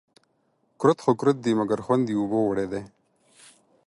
کورت خو کورت دي ، مگر خوند يې اوبو وړى دى